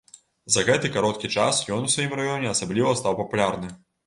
За гэты кароткі час ён у сваім раёне асабліва стаў папулярны.